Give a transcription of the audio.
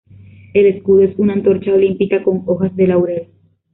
El escudo es una antorcha olímpica con hojas de laurel.